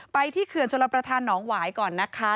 ที่เขื่อนชลประธานหองหวายก่อนนะคะ